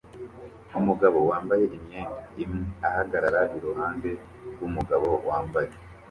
Umugabo wambaye imyenda imwe ahagarara iruhande rwumugabo wambaye